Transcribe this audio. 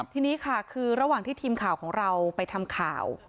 ทีนี้ค่ะคือระหว่างที่ทีมข่าวของเราไปทำข่าว